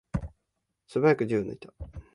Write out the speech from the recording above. すばやく銃を抜いた。